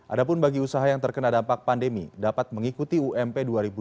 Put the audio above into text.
adapun bagi usaha yang terkena dampak pandemi dapat mengikuti ump dua ribu dua puluh